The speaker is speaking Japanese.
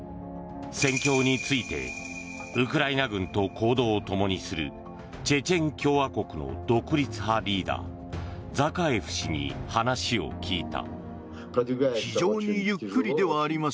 戦況についてウクライナ軍と行動をともにするチェチェン共和国の独立派リーダー、ザカエフ氏に話を聞いた。